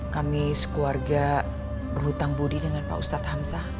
kami sekeluarga berhutang budi dengan pak ustadz hamzah